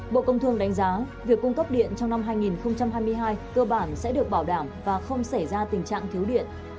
bộ công thương đánh giá việc cung cấp điện trong năm hai nghìn hai mươi hai cơ bản sẽ được bảo đảm và không xảy ra tình trạng thiếu điện